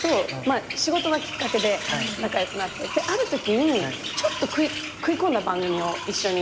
仕事がきっかけで仲良くなってあるときにちょっと食い込んだ番組を一緒にやったのね。